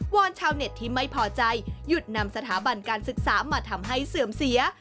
อนชาวเน็ตที่ไม่พอใจหยุดนำสถาบันการศึกษามาทำให้เสื่อมเสีย